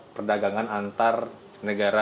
perdagangan antar negara